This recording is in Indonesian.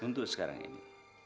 untuk sekarang ini